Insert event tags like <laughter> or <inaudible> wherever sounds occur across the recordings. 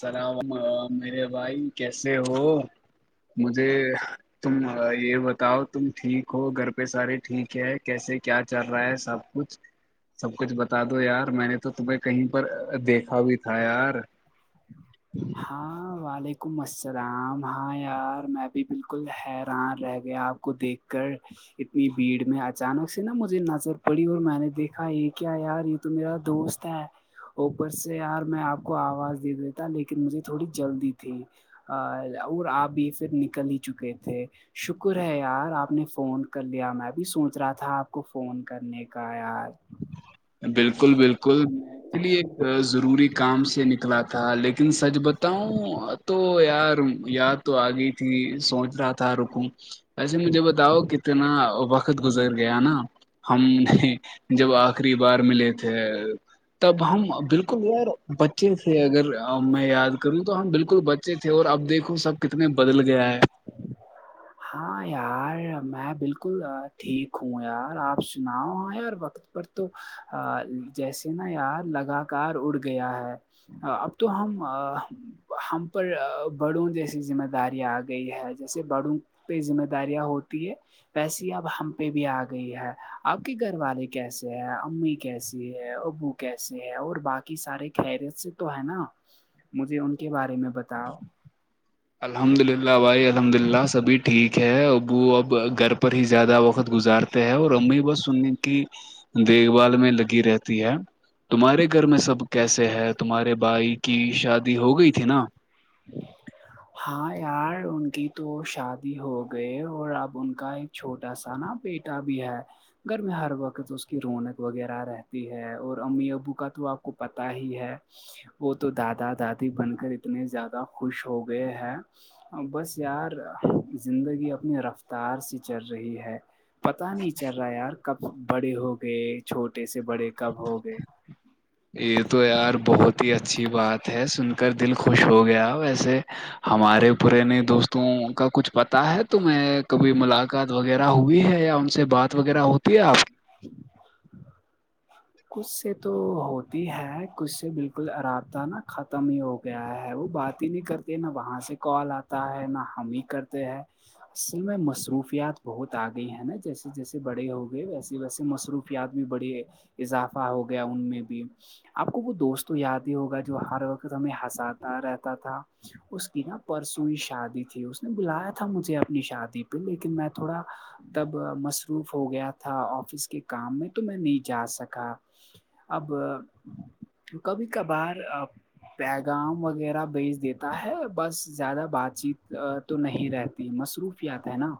سلام میرے بھائی کیسے ہو مجھے تم یہ بتاؤ تم ٹھیک ہو گھر پہ سارے ٹھیک ہے کیسے کیا چل رہا ہے سب کچھ سب کچھ بتا دو یار میں نے تو تمہیں کہیں پر دیکھا بھی تھا یار ہاں ولیکم علیکم السلام ہاں یار میںب بالکل حیران رہ گیا آپ کو دیکھ کر اتنی بھیڑ میں اچانک سے نا مجھے نظر پڑی اور میں نے دیکھا یہ کیا یار تو میرا دوست ہے اوپر سے یار میں آپ کو آواز د د تھا لیکن مجھے تھوڑی جلدی تھی اور آب بھی پھر نکل ہی چکے تھے شکر ہے یار آپ نے فون کر لیا میں بھی سوچ رہا تھا آپ کو فون کرنے کا یار بالکل بالکل اس لیے ایک ضروری کام سے نکلا تھا لیکن سچ بتاؤں تو یار یار تو آگئی تھی سوچ رہا تھا رکوم ویسے مجھے بتاؤ کتنا وقت گزر گیا نا ہم نے جب آخری بار ملے تھے تب ہم بالکل یار بچے سے اگر ا میں یاد کروں تو ہم بالکل بچے تھے اور اب دیکھو سب کتنے بدل گیا ہے <inaudible> ہاں یار میں بالکل ٹھیک ہوں یار آپ سناؤ ہاں یار وقت پر تو جیسے نا یار لگاتار اڑ گیا ہے اب تو ہم ہم پر بڑوں جیسی ذمہ دارییا آ گئی ہے جیسے بڑوں پہ ذمہ داریاں ہوتی ہے پیسی اب ہم پہ بھی آ گئی ہے آپ کے گھر والے کیسے ہیں امی کیسی ہے ابو کیسے ہے اور باقی سارے خیریت سے تو ہے نا مجھے ان کے بارے میں بتاؤ الحمد للہ بھای الحمد ل سبھی ٹھیک ہے ابو اب گھر پر ہی زیادہ وقت گزار اور امی بس سنی کی دیکھ بال میں لگی رہتی ہے تمہارے گھر میں سب کیسے ہے تمہارے بھائی کی شادی ہو گئی تھی نا <inaudible> ہاں یار ان کی تو شادی ہو گئے اور اب ان کا ایک چھوٹا سا نا بیٹ تا بھی ہے گھر میں ہر وقت اس کی رونق وغیرہ رہتی ہے اور امی ابو کا تو آپ کو پتہ ہی ہے وہ تو دادا دادی بن کر اتنے زیادہ خوش ہو گئے ہیں بس یار زندگی اپنی رفتار سی چل رہی ہے پتا نہیں چل رہا یار کب بڑے ہوگئے چھوٹے سے بڑے کب ہو گئے تو یار بہت ہی اچھی بات ہے سن کر دل خوش ہو گیا ویسے ہمارے پرانے دوستوں کا کچھ پتا ہے تو میں کبھی ملاق قات وغیرہ ہوئی ہے یا ان سے بات وغیرہ ہوتی ہے آپ کی <inaudible> کچھ سے تو ہوتی ہے کچھ سے بالکل آرام نا ختم ہی ہو گیا ہے وہ بات ہی نہیں کرتے نہ وہاں سے کال آتا ہے نہ ہم ہی کرتے ہیں اصل میں مصروفیات بہت آ گئی ہے نا جیسے جیسے بڑے ہو گئے ویسے ویسے مصروف بھی بڑی اضافہ ہو گیا ان میں بھی آپ کو وہ دوست یاد ہوگا جو ہر وقت ہمیں ہنساتا رہتا تھا اس کی ن پرسوئی شادی تھی اس نے بلایا تھا مجھے اپنی شادی پہ لیکن میں تھوڑا جب مصروف ہو گیا تھا آفس کے کام میں تو میں نہیں جا سکا اب کبھی کا بار پیغام وغیرہ بیچ دیتا ہے بس زیادہ بات چیت تو نہیں رہتی مصروف یات ہے نا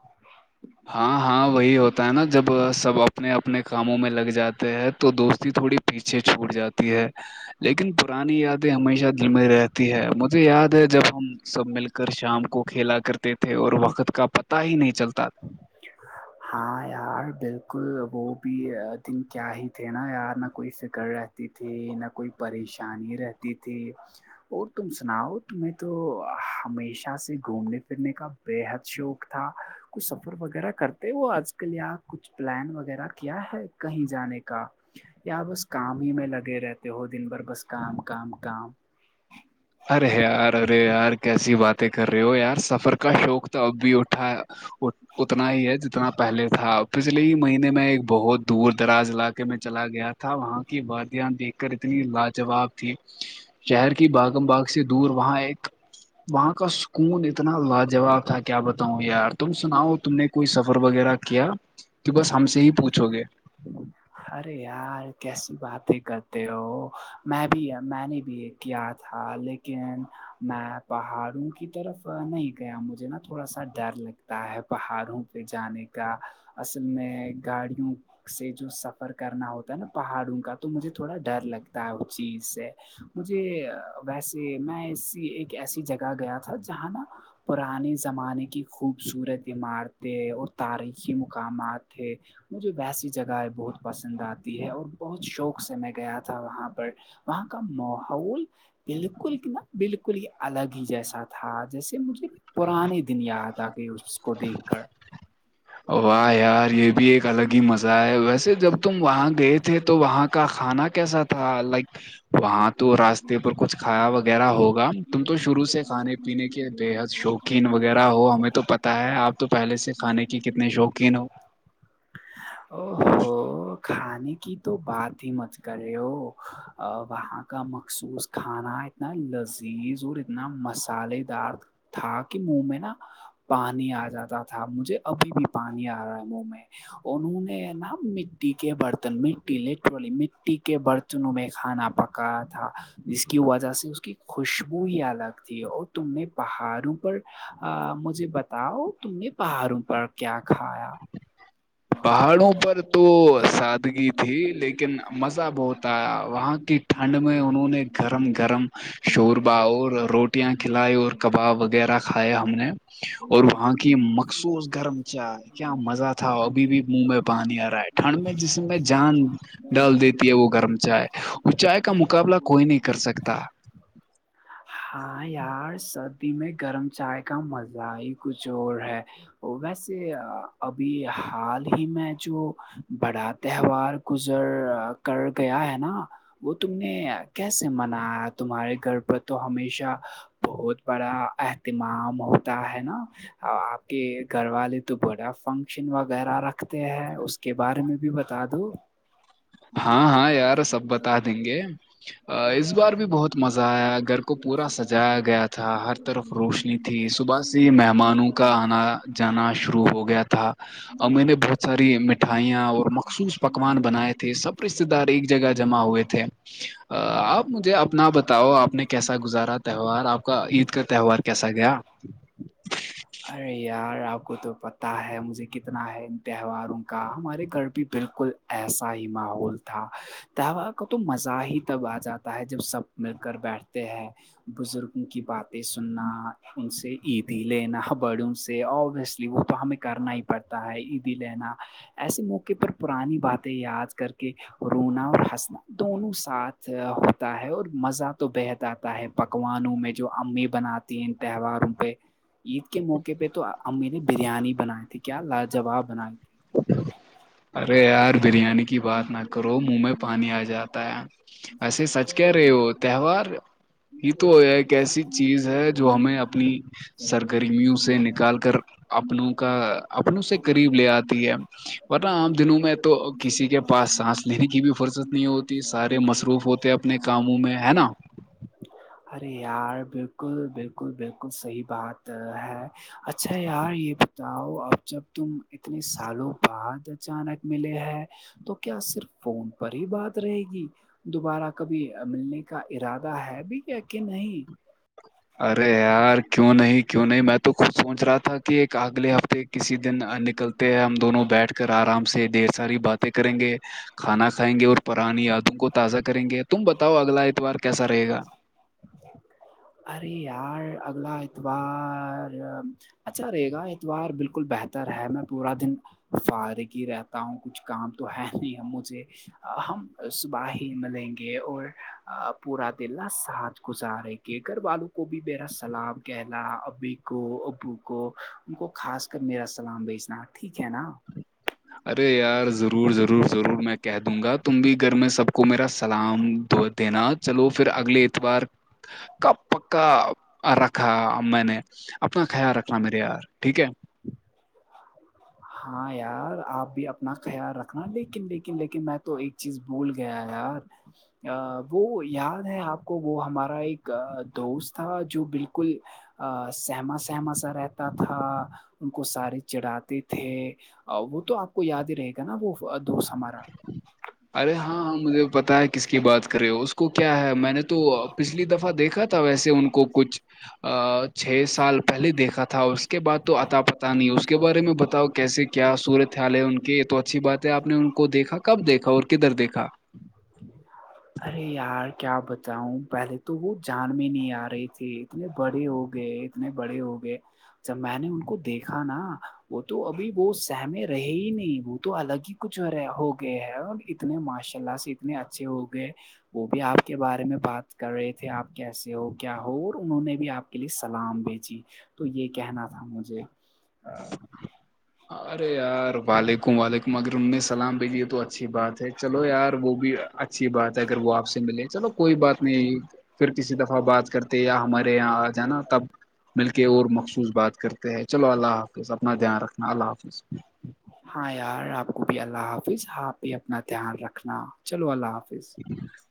ہاں ہاں وہی ہوتا ہے نا جب سب اپنے اپنے کاموں میں لگ جاتے ہیں تو دوستی تھوڑی پیچھے چھوٹ جاتی ہے لیکن پرانی یادیں ہمیشہ دل میں رہتی ہے مجھے یاد ہے جب ہم سب مل کر شام کو کھیلا کرتے تھے اور وقت کا پت ہی نہیں چلتا ہاں یار بالکل وہ بھی تھنک کیا ہی تھے نا یار نہ کوئی سے کر رہے تھے تھی نہ کوئی پریشانی رہتی تھی اور تم سناؤ تمیں تو ہمیشہ سے گھومنے پھرنے کا بےحد شوق تھا کچھ سفر وغیرہ کرتے ہو آج کل کچھ پلان وغیرہ کیا ہے کہیں جانے کا یا بس کام ہی میں لگے رہتے ہو دن بھر بس کام کام کام ارے یار ارے یار کیسی باتیں کر رہے ہو یار سفر کا شوق تو اب بھی اٹھا اتنا ہی ہے جتنا پہلے تھا پچھلے ہی مہینے میں ایک بہت دور دراز علاقے میں چلا گیا تھا وہاں کی وادیاں دیکھ کر اتنی لاجواب تھی شہر کی باغ باغ سے دور وہاں ایک وہاں کا سکون اتنا لاجواب تھا کیا بتاؤں یار تم سناؤ تم نے کوئی سفر وغیرہ کیا کہ بس ہم سے ہی پوچھو گے ارے یار کیسی بات ہے تو میں بھی میں نے بھی یہ کیا تھا لیکن میں پہاڑوں کی طرف نہیں گیا مجھے نا تھوڑا سا ڈر لگتا ہے پہاڑوں پہ جانے کا اصل میں گاڑیوں سے جو سفر کرنا ہوتا ہے نا پہاڑوں کا تو مجھے تھوڑا ڈر لگتا ہے اس چیز سے مجھے ویسے میں ایک ایسی جگہ گیا تھا جہاں نا پرانے زمانے کی خوبصورت عمارتیں اور تاریخی مقامات ہے مجھے ویسی جگہیں بہت پسند آتی ہے اور بہت شوق سے میں گیا تھا وہاں پر وہاں کا ماحول بالکل ن بالکل ہی الگ ہی جیسا تھا جیسے مطلب پرانے دن یاد آ گئے اس کو دیکھ کر واہ یار یہ بھی ایک الگ ہی مزہ ہے ویسے جب تم وہاں گئے تھے تو وہاں کا کھانا کیسا تھا لائک وہاں تو راستے پر کچھ کھایا وغیرہ ہوگا تم تو شروع سے کھانے پینے کے بےحد شوقین وغیرہ ہو ہمیں تو پتا ہے آپ تو پہلے سے کھانے کی کتنے شوقین ہو او ہو کھانے کی تو بات اتی مذ گارے ہو وہاں کا مخصوص کھانا اتنا لذیذ اور اتنا مسالے دار تھا کہ منہ میں نا پانی آ جاتا تھا مجھے ابھی بھی پانی آ رہا ہے منہ میں انہوں نے نا مٹی کے برتن میںٹیلے مٹی کے برتنوں میں کھانا پکا تھا جس کی وجہ سے اس کی خوشبو ہی الگ تھی اور تم نے پہاڑوں پر مجھے بتاؤ تم نے پہاڑوں پر کیا کھایا پہاڑوں پر تو سادگی تھی لیکن مزہ بہت آیا وہاں کی ٹھنڈ میں انہوں نے گرم گرم شوربہ اور روٹیاں کھلائی اور کباب وغیرہ کھاائے ہم نے اور وہاں کی مخصوص گرم چائے کیا مزہ تھا ا ابھی بھی منہ میں پانی آ رہا ہے ٹھنڈ میں جس میں جان ڈال دیتی ہے وہ گرم چائے اونچائی کا مقابلہ کوئی نہیں کر سکتا ہاں یار سردی میں گرم چائے کا مزہ ہی کچھ اور ہے ویسے ابھی حال ہی میں جو بڑا تہوار گزر کر گیا ہے نا وہ تم نے کیسے منایا تمہارے گھر پر تو ہمیشہ بہت بڑا اہتمام ہوتا ہے نا آپ کے گھر والے تو بڑا فنکشن و وغیرہ رکھتے ہیں اس کے بارے میں بھی بتا دو ہاں ہاں یار سب بتا دیں گے اس بار بھی بہت مزہ آیا اگر کو پورا سجایا گیا تھا ہر طرف روشنی تھی صبح سے ہی مہمانوں کا آنا جانا شروع ہو گیا تھا اور میں نے بہت ساری مٹھائیاں اور مخصوص پکوان بنائے تھے تھ سب رشتے دار ایک جگہ جمع ہوئے تھے آپ مجھے اپنا بتاؤ آپ نے کیسا گزارا تہوار آپ کا عید کا تہوار کیسا گیا ارے یار آپ کو تو پتاہ ہے مجھے کتنا کتنا ہے ان تہواروں کا ہمارے گھر بھی بالکل ایسا ہی ماحول تھا تہوار کا تو مزہ ہی تب آ جاتا ہے جب سب مل کر بیٹھتے ہیں بزرگوں کی بات سننا ان سے عیدی لینا بڑوں سے ابویسلی وہ تو ہمیں کرنا ہی پڑتا ہے عیدی لناا ایسے موقع پر پرانی باتیں یاد کر کے رونا اور ہنسنا دونوں ساتھ ہوتا ہے اور مزہ تو بحد آتا تا ہے پکوانوں میں جو امی بناتی ہیں ان تہواروں پہ عید کے موقع پہ تو امی نے بریانی بنائی تھی کیا لاجواب بنائے تھی ارے یار بریانی کی بات نہ کرو منہ میں پانی آ جاتا ہےیار ایسے سچ کہہ رہے ہو تہوار یہ تو ایک ایسی چیز ہے جو ہمیں اپنی سرگرمیوں سے نکال کر اپنوں کا اپنوں سے قریب لیات ہے ورنہ عام دنوں میں تو کسی کے پاس سانس لینے کی بھی فرصت نہیں ہوتی سارے مصروف ہوتے اپنے کاموں میں ہے نا ارے یار بالکل بالکل بالکل صحی بات ہے اچھا یار یہ بتاؤ اب جب تم اتنے سالوں بعد اچانک ملے ہے تو کیا صرف فون پر ہی بات رہے گی دوبارہ کبھی ملنے کا ارادہ ہے بھی ہے کہ نہیں ارے یار کیوں نہیں کیوں نہیں میں تو خود سوچ رہا تھا کہ ایک اگلے ہفتے کسی دن نکلتے ہیں ہم دونوں بیٹھ کر آرام سے دیر ساری باتیں کریں گے کھانا کھائیں گے اور پرانی یا تم کو تازہ کریں گے تم بتاؤ اگلا اتوار کیسا رہے گا ارے ار اگلہ آت وار <unintelligible> اچھا رے گا اتوار بالکل بہتر ہے میں پورا دن فارغ ہی رہتا ہوں کچھ کام تو ہے نہیں ہے مجھ سے ہم صبح ہی ملیں گے اور پورا دل ساتھ گزارے گے گھر والوں کو بھی میرا سلام کہنا ابھی کو ابو کو ان کو خاص کر میرا سلام بیچنا ٹھیک ہے نا ارے یار ضرور ضرور ضرور میں کہہ دوں گا تم بھی گھر میں سب کو میرا سلام د دینا چلو پھر اگلے اتوار کا پکا رکھا میں نے اپنا خیال رکھا میرے یار ٹھیک ہے <inaudible> ہاں یار آپ بھی اپنا خیال رکھنا لیکن لیکن لیکن میں تو ایک چیز بھول گیا یار ا وہ یاد ہے آپ کو وہ ہمارا ایک دوست تھا جو بالکل ا سہما سہما سا رہتا تھا ان کو سارے چڑھاتے تھے وہ تو آپ کو یاد ہی رہے گا نا وہ دو سماج <inaudible> ارے ہاں ہاں مجھے پتاہ ہے کس کی بات کرے ہو اس کو کیا ہے میں نے تو پچھلی دفہ دیکھا تھا ویسے ان کو کچھ چھ سال پہلے دیکھا تھا اس کے بات تو اتا پت نہیں اس کے بارے میں بتاؤ کیسے کیا سورتیال ہے ان کے یہ تو اچھی بات ہے آپ نے کو دیکھا کب دیکھا اور کدھر دیکھا ارے یار کیا بتاؤں پہلے تو تو وہ جان میں نہیں آ رہی تھی اتنے بڑے ہوگئے اتنے بڑے ہو گئے جب میں نے ان کو دیکھا نا وہ تو ابھی وہ سہم رہے ہی نہیں وہ تو الگ ہی کچھ اور رہے ہو گئے ہیں اور اتنے ماشاء اللہ سے اتنے اچھے ہو گئے وہ بھی آپ کے بارے میں بات کر رہے تھ تھ آپ کیسے ہو کیا ہو انہوں نے بھی آپ کے لیے سلام بیچی تو یہ کہنا تھا مجھے <inaudible> ارے یار وعلیکم وعلیکم اگر ان نے سلام بھیجی ہے تو اچھی بات ہے چلو یار وہ بھی اچھی بات ہے اگر وہ آپ سے ملے چلو کوئی بات نہیں پھر کسی دفعہ بات کرتے یا ہمارے یہاں آ جانا تب مل کے اور مخصوص بات کرتے ہیں چلو اللہف ج ج ہاں یار آپ کو بھی اللہ حافظ ہپ بھی اپنا دھیان رکھنا چلو اللہ حافظ جی